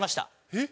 えっ！？